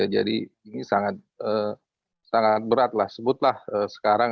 jadi ini sangat berat lah sebutlah sekarang